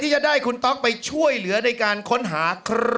จะได้คุณต๊อกไปช่วยเหลือในการค้นหาครับ